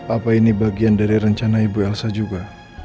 apa ini bagian dari rencana ibu elsa juga